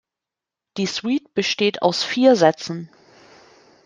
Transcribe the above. Die Suite besteht aus vier Sätzen.